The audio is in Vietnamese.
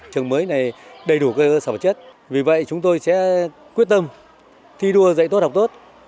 trường mới này đầy đủ cơ sở vật chất vì vậy chúng tôi sẽ quyết tâm thi đua dạy tốt học tốt